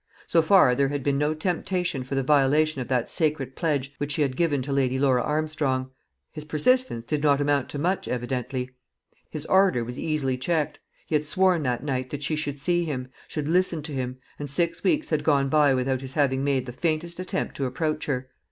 So far there had been no temptation for the violation of that sacred pledge which she had given to Lady Laura Armstrong. His persistence did not amount to much evidently; his ardour was easily checked; he had sworn that night that she should see him, should listen to him, and six weeks had gone by without his having made the faintest attempt to approach her.